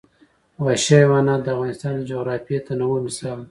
وحشي حیوانات د افغانستان د جغرافیوي تنوع مثال دی.